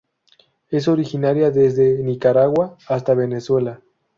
Es originaria desde Nicaragua hasta Venezuela.